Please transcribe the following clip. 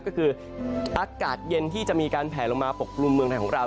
ก็คืออากาศเย็นที่จะมีการแผลลงมาปกกลุ่มเมืองไทยของเรา